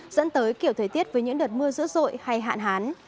dẫn tới kiểu thời tiết với những đợt mưa dữ dội hay hạn hán